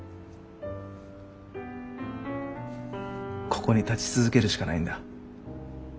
ここに立ち続けるしかないんだ。